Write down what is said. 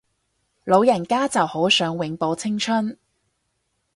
老人家就好想永葆青春